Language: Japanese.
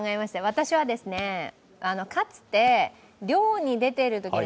私は、かつて漁に出ているときに